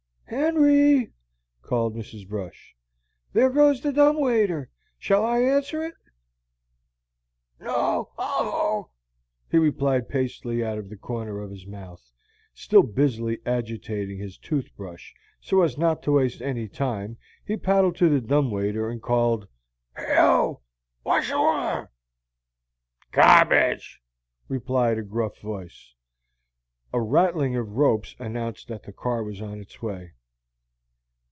"Henry!" called Mrs. Brush, "there goes the dumb waiter. Shall I answer it?" "No; I'll ho," he replied pastily out of the corner of his mouth. Still busily agitating his tooth brush, so as not to waste any time, he paddled to the dumb waiter and called: "He'o! Whash you wa'?" "Garbage!" replied a gruff voice. A rattling of ropes announced that the car was on its way.